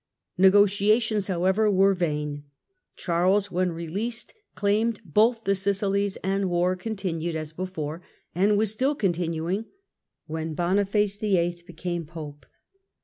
Negotiations, however, were vain ; Charles when released claimed both the Sicilies and war continued as before, and was still continuing when Boniface VIII. became Pope.